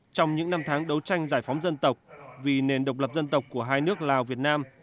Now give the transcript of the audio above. trong những năm tháng đấu tranh giải phóng dân tộc vì nền độc lập dân tộc của hai nước lào việt nam